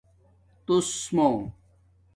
تُݸس مُو